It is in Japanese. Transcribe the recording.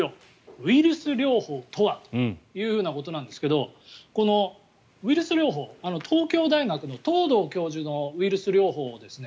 ウイルス療法とは？というふうなことなんですがこのウイルス療法東京大学の藤堂教授のウイルス療法ですね。